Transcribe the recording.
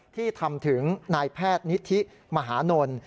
ที่ทำถึงนายแพทย์นิธิมหานล